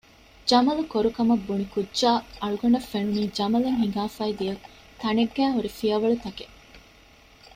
ޖަމަލު ކޮރު ކަމަށް ބުނި ކުއްޖާ އަޅުގަނޑަށް ފެނުނީ ޖަމަލެއް ހިނގާފައި ދިޔަ ތަނެއްގައި ހުރި ފިޔަވަޅުތަކެއް